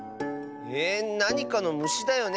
ええっなにかのむしだよね？